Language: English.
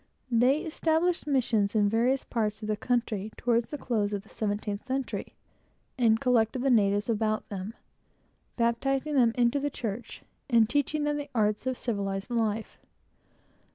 They established missions in various parts of the country toward the close of the seventeenth century, and collected the natives about them, baptizing them into the church, and teaching them the arts of civilized life.